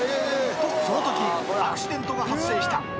［とそのときアクシデントが発生した］